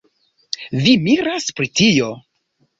Vi miras pri tio?